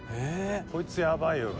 「こいつヤバいよね